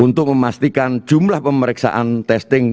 untuk memastikan jumlah pemeriksaan testing